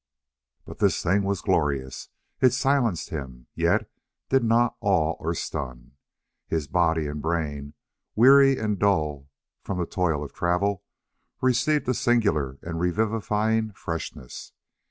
But this thing was glorious. It silenced him, yet did not awe or stun. His body and brain, weary and dull from the toil of travel, received a singular and revivifying freshness.